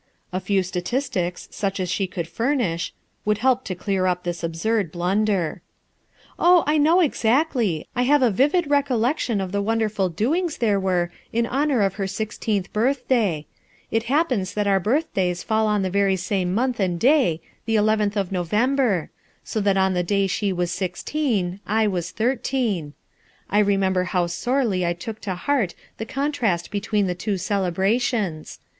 A few etaiigticB, such an ahe could furnish, would help to clear up this absurd blunder. "Oh, I know exactly, I liave a vivid recol lection of the wonderful doings there were in honor of her sixteenth birthday, ft happens that our birthdays fall an the very raunc month ami day, the eleventh of November; so that on the day she wa^ sixteen, I was thirteen, I LOOKING BACKWARD 2 01 remember how sorely I took to heart the con trast between the two celebrations.